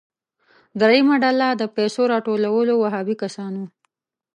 دریمه ډله د پیسو راټولولو وهابي کسان وو.